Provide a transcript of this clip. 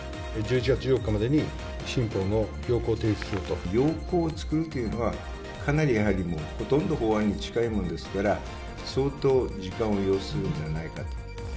１１月１４日までに、要綱を作るというのは、かなりやはり、ほとんど法案に近いものですから、相当、時間を要するんじゃないかと。